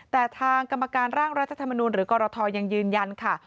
แต่ทางกรรมการร่างรัฐธรรมนูลหรือกรทยังยืนยันค่ะ